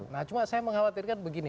nah cuma saya mengkhawatirkan begini